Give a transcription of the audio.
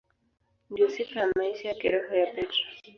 Ndiyo sifa ya maisha ya kiroho ya Petro.